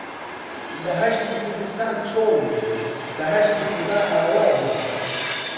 بەهەشتی کوردستان چۆڵ بوو، بەهەشتی خودا ئاوا بوو